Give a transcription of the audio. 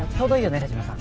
冴島さん。